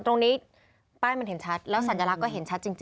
ตรงนี้ป้ายมันเห็นชัดแล้วสัญลักษณ์เห็นชัดจริง